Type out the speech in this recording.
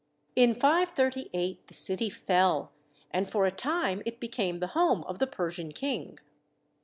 In 538 the city fell, and for a time it became the home of the Persian King.